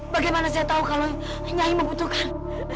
bagaimana saya tahu kalau hanya membutuhkan